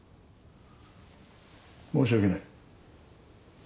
申し訳ない。